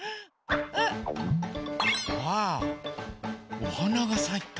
う？わおおはながさいた。